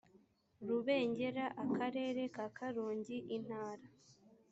rubengera akarere ka karongi intara